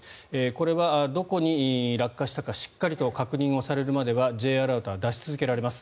これはどこに落下したかしっかりと確認されるまではＪアラートは出し続けられます。